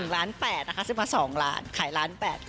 ล้าน๘นะคะซื้อมา๒ล้านขายล้าน๘